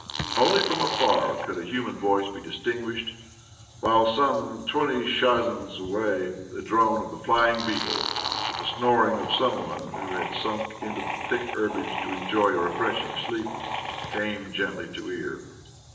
Only from afar could a human voice be distinguished, while, some twenty sazhens ' away, the drone of a flying beetle, with the snoring of some one who had sunk into the thick herbage to enjoy a refreshing sleep, came gently to the ear.